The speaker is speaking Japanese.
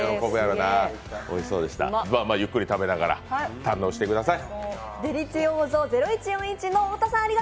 ゆっくり食べながら堪能してください。